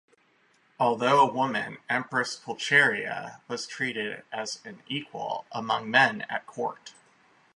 Although a woman, Empress Pulcheria was treated as an equal among men at court.